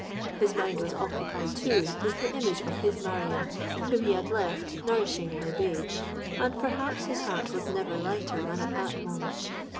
His mind was occupied, too, with the image of his Marion, whom he had left nourishing her babe; and perhaps his heart was never lighter than at that moment.